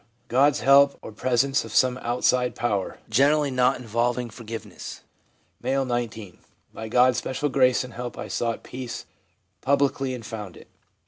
God's help, or presence of some outside power (generally not involving forgiveness). — M., 19. 'By God's special grace and help I sought peace publicly and found it/ M.